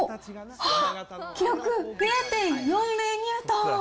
記録０．４０ニュートン。